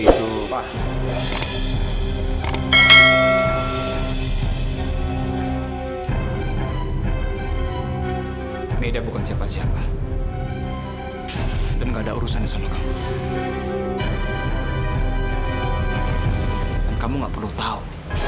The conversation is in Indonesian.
itu mah ini dia bukan siapa siapa dan nggak ada urusan sama kamu kamu nggak perlu tahu